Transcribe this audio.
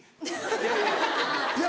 いやいや。